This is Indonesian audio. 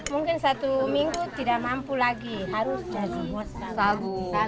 mungkin satu minggu tidak mampu lagi harus jago buat sagu